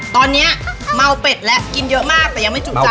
ตอนนี้เมาเป็ดแล้วกินเยอะมากแต่ยังไม่จุใจ